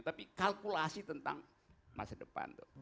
tapi kalkulasi tentang masa depan